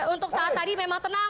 untuk saat tadi memang tenang